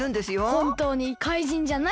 ほんとうにかいじんじゃないの？